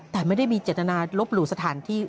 แต่ไม่ได้มีเจตนาลบหลู่สถานที่